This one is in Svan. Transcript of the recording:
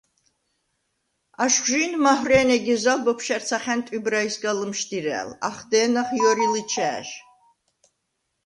აშხვჟი̄ნ მაჰვრე̄ნე გეზალ ბოფშა̈რცახა̈ნ ტვიბრაისგა ლჷმშდირა̄̈ლ. ახდე̄ნახ ჲორი ლჷჩა̄̈ჟ.